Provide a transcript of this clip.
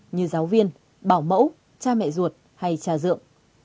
như giáo viên bảo mẫu cha mẹ ruột hay trà rượm